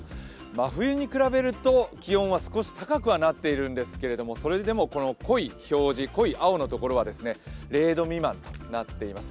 真冬に比べると気温は少し高くなっているんですけどそれでも濃い表示濃い青のところは０度未満となっています。